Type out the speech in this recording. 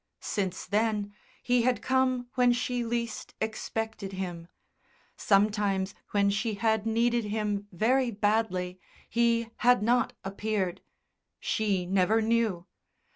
Since then, he had come when she least expected him; sometimes when she had needed him very badly he had not appeared.... She never knew.